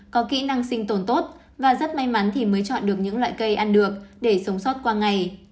có kỹ năng sinh tồn tốt và rất may mắn thì mới chọn được những loại cây ăn được để sống sót qua ngày